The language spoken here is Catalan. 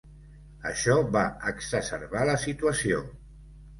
Això va exacerbar la situació.